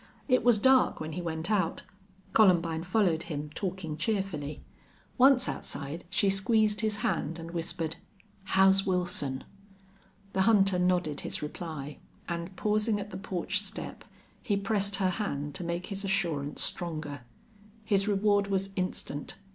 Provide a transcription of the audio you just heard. It was dark when he went out. Columbine followed him, talking cheerfully. Once outside she squeezed his hand and whispered, "How's Wilson?" The hunter nodded his reply, and, pausing at the porch step, he pressed her hand to make his assurance stronger. His reward was instant.